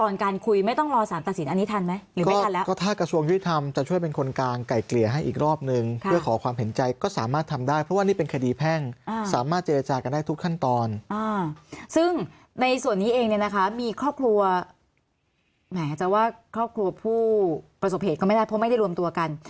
ซึ่งในส่วนนี้เองเนี่ยนะคะมีครอบครัวแหมจะว่าครอบครัวผู้ประสบเหตุก็ไม่ได้เพราะไม่ได้รวมตัวกัน